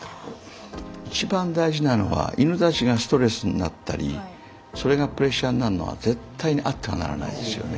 一番大事なのは犬たちがストレスになったりそれがプレッシャーになるのは絶対にあってはならないですよね。